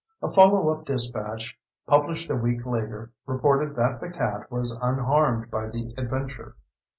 A follow up dispatch, published a week later, reported that the cat was unharmed by the adventure.